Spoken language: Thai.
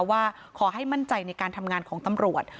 ว่าขอให้มั่นใจในการทำงานของตำรวจ